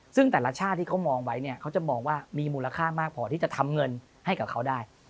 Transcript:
ซึ่งแต่ละชาติที่เขามองไว้เนี่ยเขาจะมองว่ามีมูลค่ามากพอที่จะทำเงินให้กับเขาได้